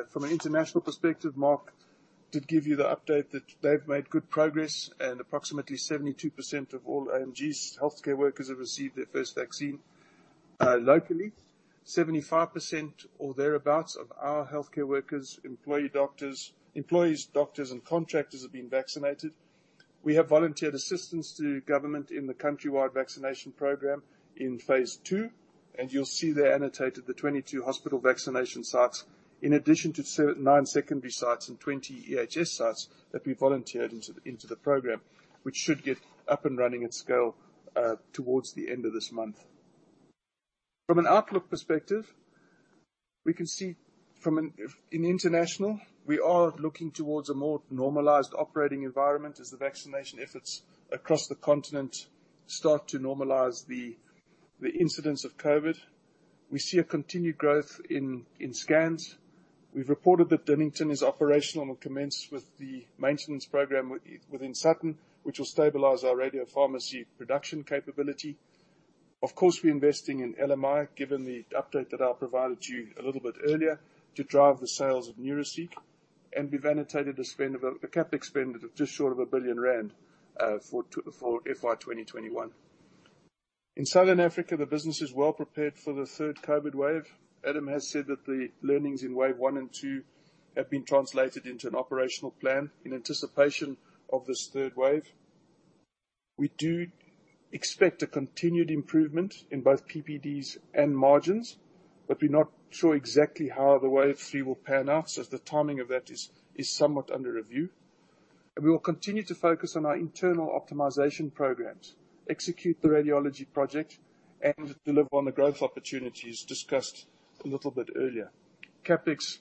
From an international perspective, Mark did give you the update that they've made good progress, and approximately 72% of all AMG's healthcare workers have received their first vaccine. Locally, 75% or thereabouts of our healthcare workers, employees, doctors, and contractors have been vaccinated. We have volunteered assistance to the government in the countrywide vaccination program in phase II, and you'll see they annotated the 22 hospital vaccination sites, in addition to nine secondary sites and 20 EHS sites that we volunteered into the program, which should get up and running at scale towards the end of this month. From an outlook perspective, we can see in international we are looking towards a more normalized operating environment as the vaccination efforts across the continent start to normalize the incidence of COVID-19. We see a continued growth in scans We've reported that Dinnington is operational and will commence with the maintenance program within Sutton, which will stabilize our radiopharmacy production capability. Of course, we're investing in LMI, given the update that I provided to you a little bit earlier to drive the sales of Neuraceq, and we've annotated a capex spend of just short of 1 billion rand for FY 2021. In Southern Africa, the business is well prepared for the third COVID wave. Adam has said that the learnings in waves one and two have been translated into an operational plan in anticipation of this third wave. We do expect a continued improvement in both PPDs and margins, but we're not sure exactly how wave three will pan out, so the timing of that is somewhat under review. We will continue to focus on our internal optimization programs, execute the radiology project, and deliver on the growth opportunities discussed a little bit earlier. Capex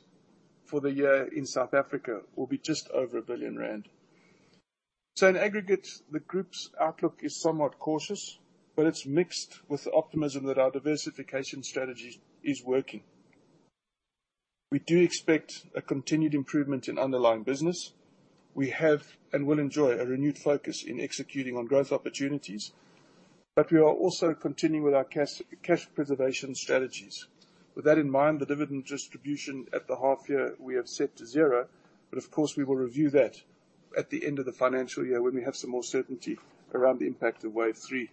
for the year in South Africa will be just over 1 billion rand. In aggregate, the group's outlook is somewhat cautious, but it's mixed with optimism that our diversification strategy is working. We do expect a continued improvement in underlying business. We have and will enjoy a renewed focus in executing on growth opportunities, but we are also continuing with our cash preservation strategies. With that in mind, the dividend distribution at the half year we have set to zero, but of course, we will review that at the end of the financial year when we have some more certainty around the impact of wave three.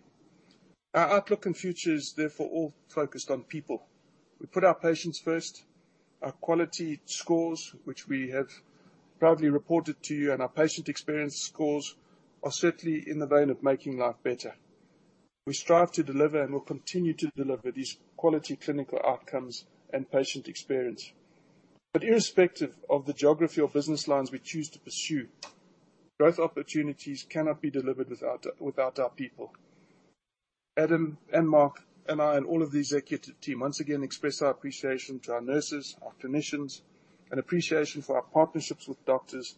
Our outlook and future is therefore all focused on people. We put our patients first. Our quality scores, which we have proudly reported to you, and our patient experience scores are certainly in the vein of making life better. We strive to deliver and will continue to deliver these quality clinical outcomes and patient experience. Irrespective of the geography or business lines we choose to pursue, growth opportunities cannot be delivered without our people. Adam, and Mark, and I, and all of the executive team, once again express our appreciation to our nurses, our clinicians, and appreciation for our partnerships with doctors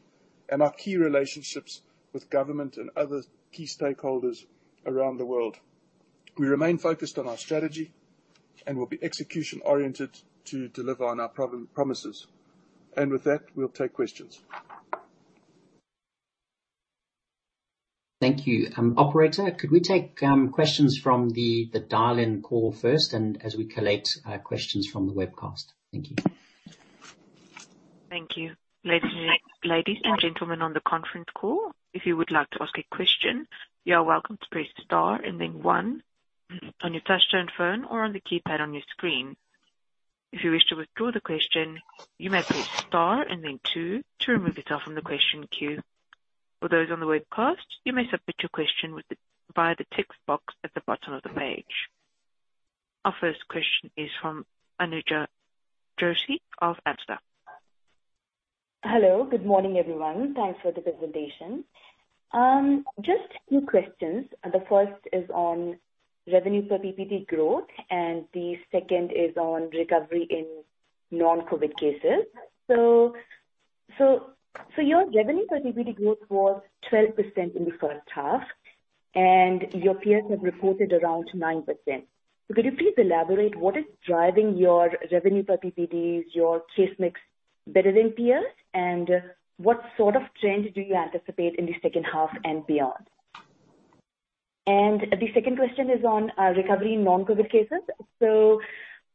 and our key relationships with government and other key stakeholders around the world. We remain focused on our strategy and will be execution-oriented to deliver on our promises. With that, we'll take questions. Thank you. Operator, could we take questions from the dial-in call first, as we collect questions from the webcast? Thank you. Thank you. Ladies and gentlemen, on the conference call, if you would love to ask a question, you are welcome to press star and then one on your touchtone phone or on the keypad on your screen. If you wish to withdraw the question, you may press star and then two to remove yourself from the question queue. For those on the webcast, you may submit your question by the text box at the bottom of the page. Our first question is from Anuja Joshi of Absa. Hello. Good morning, everyone. Thanks for the presentation. Just two questions. The first is on revenue per PPD growth, and the second is on recovery in non-COVID cases. Your revenue per PPD growth was 12% in the first half, and your peers have reported around 9%. Could you please elaborate on what is driving your revenue per PPD, your case mix better than peers, and what sort of trend do you anticipate in the second half and beyond? The second question is on recovery in non-COVID cases.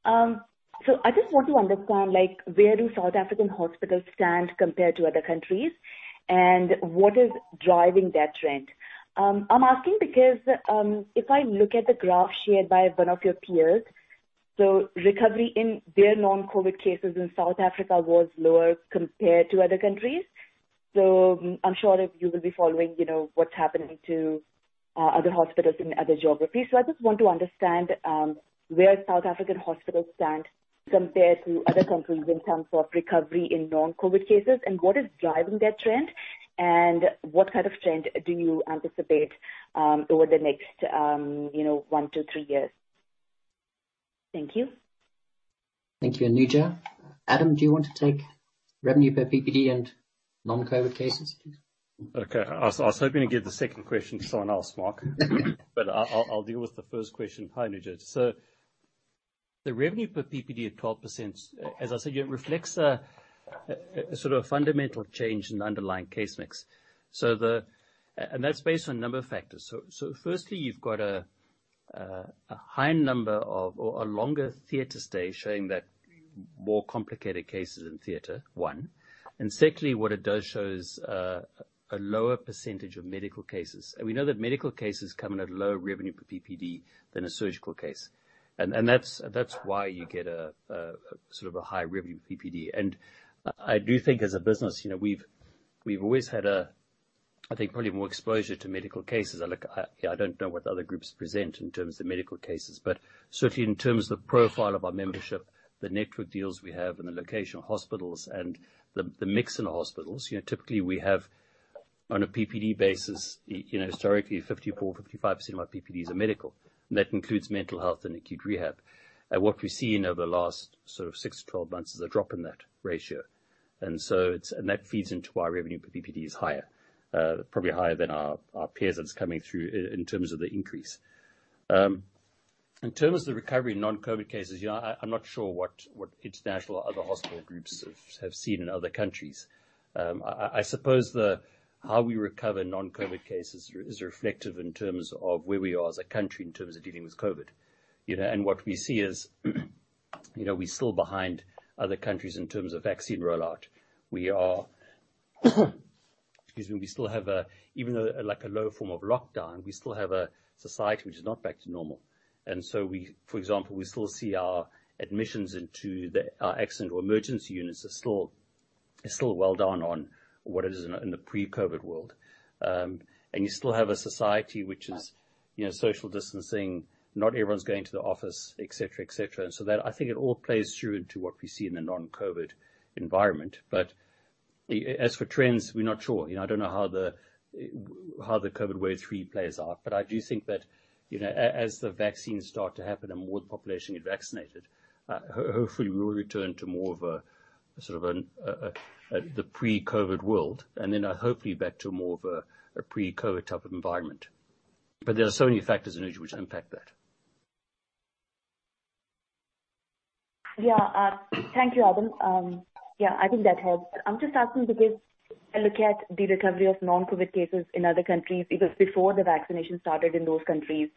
I just want to understand where do South African hospitals stand compared to other countries, and what is driving that trend? I'm asking because if I look at the graph shared by one of your peers, recovery in their non-COVID cases in South Africa was lower compared to other countries. I'm sure you will be following what's happening to other hospitals in other geographies. I just want to understand where South African hospitals stand compared to other countries in terms of recovery in non-COVID cases, and what is driving that trend, and what kind of trend do you anticipate over the next one to two years? Thank you. Thank you, Anuja. Adam, do you want to take revenue per PPD and non-COVID cases, please? Okay. I was hoping to get the second question from someone else, Mark, but I'll deal with the first question. Hi, Anuja Joshi. The revenue per PPD at 12%, as I said, it reflects a sort of fundamental change in the underlying case mix. That's based on a number of factors. Firstly, you've got a high number of or a longer theater stay, showing that more complicated cases in theater, one. Secondly, what it does show is a lower percentage of medical cases. We know that medical cases come at a lower revenue per PPD than a surgical case. That's why you get a sort of high revenue PPD. I do think as a business, we've always had a, I think, probably more exposure to medical cases. I don't know what other groups are present in terms of medical cases, but certainly in terms of the profile of our membership, the network deals we have, and the location of hospitals and the mix in hospitals. Typically, we have on a PPD basis, historically, 54%, 55% of our PPD is in medical, and that includes mental health and acute rehab. What we've seen over the last 6-12 months is a drop in that ratio. That feeds into our revenue per PPD is higher, probably higher than our peers that's coming through in terms of the increase. In terms of the recovery of non-COVID cases, I'm not sure what other international hospital groups have seen in other countries. I suppose how we recover non-COVID cases is reflective in terms of where we are as a country in terms of dealing with COVID. What we see is we're still behind other countries in terms of vaccine rollout. We are, excuse me, even though like a low form of lockdown, we still have a society which is not back to normal. For example, we still see our admissions into our accident or emergency units are still well down on what it is in the pre-COVID world. You still have a society which is social distancing, not everyone's going to the office, et cetera. That, I think it all plays through into what we see in a non-COVID environment. As for trends, we're not sure. I don't know how the COVID wave 3 plays out. I do think that as the vaccines start to happen and more of the population gets vaccinated, hopefully we will return to more of the pre-COVID world, and then hopefully back to more of a pre-COVID type environment. There are so many factors in between which impact that. Yeah. Thank you, Adam. I think that helps. I'm just asking because I look at the recovery of non-COVID cases in other countries, because before the vaccination started in those countries,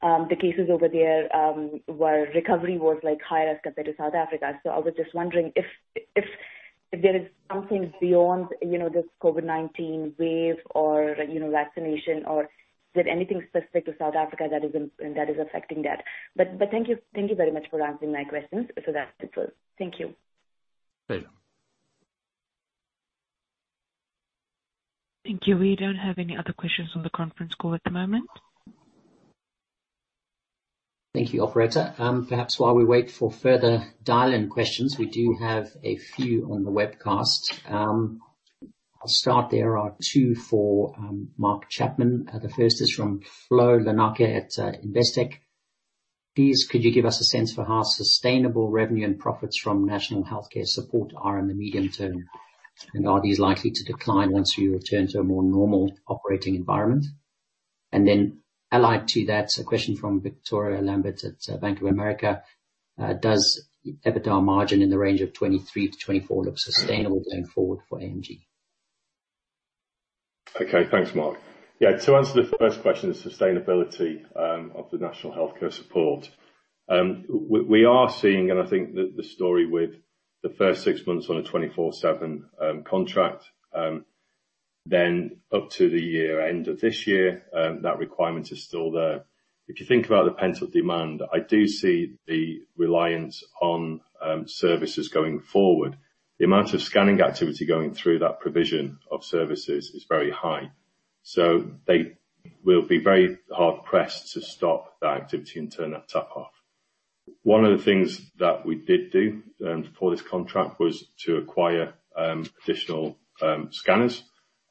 the cases over there, recovery was higher compared to South Africa. I was just wondering if there is something beyond this COVID-19 wave or vaccination, or is there anything specific to South Africa that is affecting that. Thank you very much for answering my questions. That's it. Thank you. Okay. Thank you. We don't have any other questions on the conference call at the moment. Thank you, operator. Perhaps while we wait for further dial-in questions, we do have a few on the webcast. I will start. There are two for Mark Chapman. The first is from Flo Lanark at Investec. Please, could you give us a sense of how sustainable revenue and profits from National Healthcare Support are in the medium term? Are these likely to decline once we return to a more normal operating environment? Allied to that, a question from Victoria Lambert at Bank of America. Does EBITDA margin in the range of 23%-24% look sustainable going forward for AMG? Okay. Thanks, Mark. To answer the first question on the sustainability of the National Health Service. We are seeing, and I think the story with the first six months on a 24/7 contract, then up to the end of this year, that requirement is still there. If you think about the pent-up demand, I do see the reliance on services going forward. The amount of scanning activity going through that provision of services is very high. They will be very hard-pressed to stop that activity and turn that tap off. One of the things that we did do for this contract was to acquire additional scanners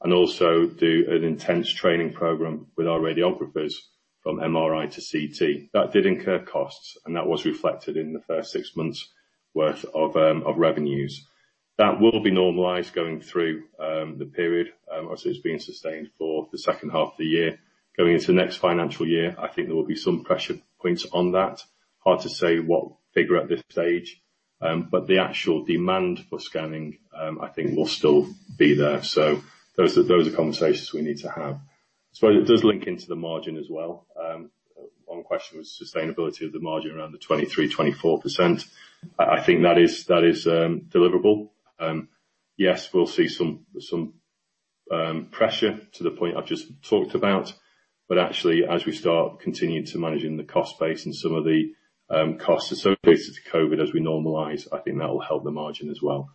and also do an intense training program with our radiographers from MRI to CT. That did incur costs, and that was reflected in the first six months' worth of revenues. That will be normalized going through the period, as it's been sustained for the second half of the year. Going into the next financial year, I think there will be some pressure points on that. Hard to say what figure at this stage, but the actual demand for scanning, I think, will still be there. Those are conversations we need to have. It does link into the margin as well. One question was the sustainability of the margin around the 23%, 24%. I think that is deliverable. Yes, we'll see some pressure to the point I've just talked about. Actually, as we start continuing to manage the cost base and some of the costs associated to COVID as we normalize, I think that will help the margin as well.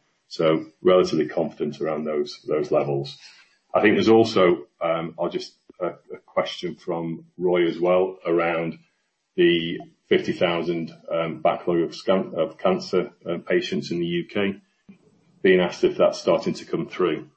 Relatively confident around those levels. I think there's also just a question from Roy as well around the 50,000 backlog of cancer patients in the U.K., being asked if that's starting to come through.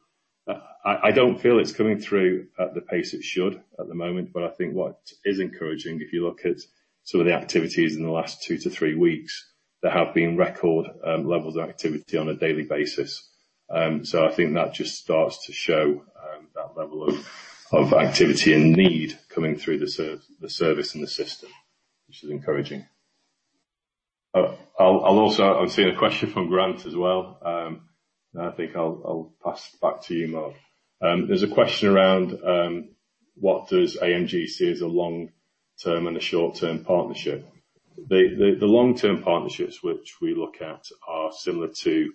I don't feel it's coming through at the pace it should at the moment. I think what is encouraging, if you look at some of the activities in the last two to three weeks, there have been record levels of activity on a daily basis. I think that just starts to show that level of activity and need coming through the service and the system, which is encouraging. I've seen a question from Grant as well, and I think I'll pass it back to you, Mark. There's a question around what does AMG sees as a long-term and a short-term partnership. The long-term partnerships which we look at are similar to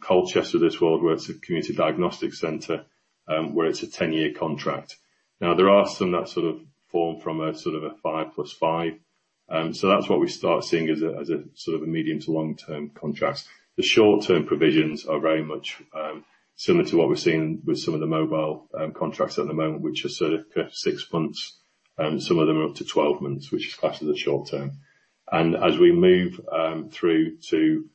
Colchester, this [automotive] community diagnostic center, where it's a 10-year contract. There are some that sort of form from a sort of 5 + 5. That's what we start seeing as a sort of medium to long-term contract. The short-term provisions are very much similar to what we're seeing with some of the mobile contracts at the moment, which are sort of six months. Some of them are up to 12 months, which is classed as short-term. As we move through to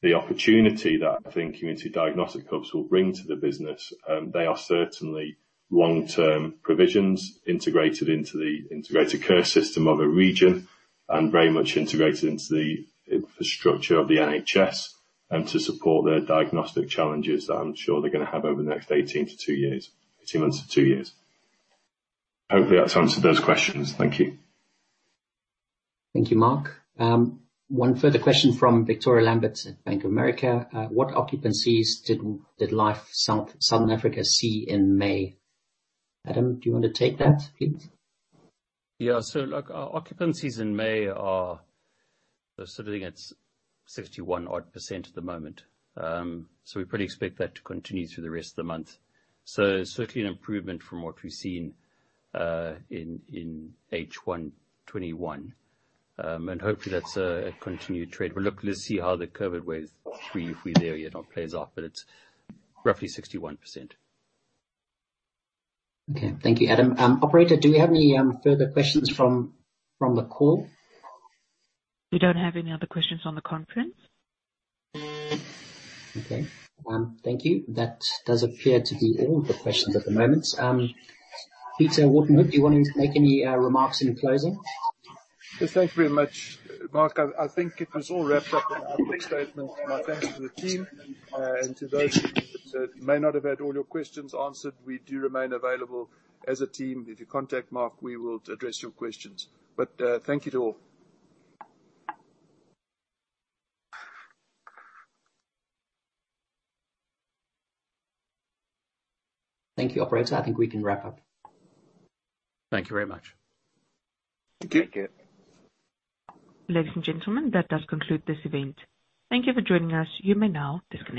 the opportunity that I think community diagnostic hubs will bring to the business, they are certainly long-term provisions integrated into the integrated care system of a region and very much integrated into the infrastructure of the NHS, and to support their diagnostic challenges that I'm sure they're going to have over the next two months to two years. Hopefully, that's answered those questions. Thank you. Thank you, Mark. One further question from Victoria Lambert at Bank of America. What occupancies did Life South Africa see in May? Adam, do you want to take that, please? Yeah. Look, our occupancies in May are sitting at 61 odd % at the moment. We probably expect that to continue through the rest of the month. Certainly an improvement from what we've seen in H1 2021. Hopefully, that's a continued trade. Look, let's see how the COVID wave three, if we do get it, all plays out, but it's roughly 61%. Okay. Thank you, Adam. Operator, do we have any further questions from the call? We don't have any other questions on the conference. Okay. Thank you. That does appear to be all the questions at the moment. Peter Wharton-Hood, do you want to make any remarks in closing? Yes, thank you very much, Mark. I think it was all wrapped up in my opening statement. My thanks to the team and to those who may not have had all your questions answered. We do remain available as a team. If you contact Mark, we will address your questions. Thank you to all. Thank you, operator. I think we can wrap up. Thank you very much. Thank you. Ladies and gentlemen, that does conclude this event. Thank you for joining us. You may now disconnect.